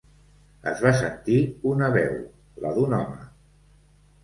Es va sentir una veu, la d'un home.